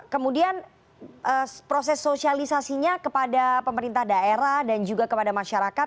kemudian proses sosialisasinya kepada pemerintah daerah dan juga kepada masyarakat